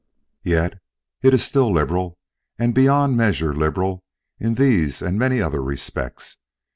Yes, it is still liberal and beyond measure liberal in these and many other respects.